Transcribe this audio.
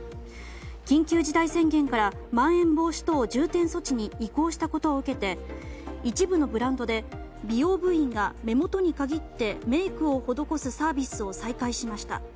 緊急事態宣言からまん延防止等重点措置に移行したことを受けて一部のブランドで美容部員が、目元に限ってメイクを施すサービスを再開しました。